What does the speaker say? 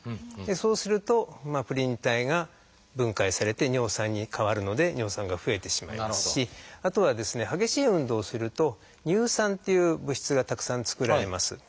そうするとプリン体が分解されて尿酸に変わるので尿酸が増えてしまいますしあとはですね激しい運動をすると「乳酸」っていう物質がたくさん作られます。